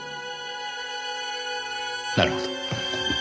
なるほど。